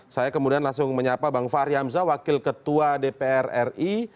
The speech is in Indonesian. saya kemudian langsung menyapa bang fahri hamzah wakil ketua dpr ri